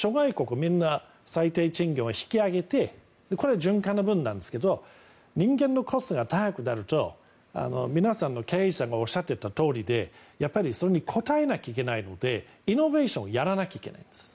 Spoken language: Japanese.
みんな最低賃金を引き上げてこれ、循環の分なんですが人間のコストが高くなると皆さんの経営者さんがおっしゃっていたとおりでそれに応えなきゃいけないのでイノベーションをやらなきゃいけないんです。